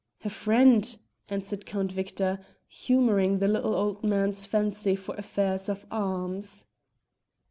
"A friend," answered Count Victor, humouring the little old man's fancy for affairs of arms.